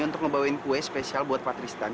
untuk ngebawain kue spesial buat patristan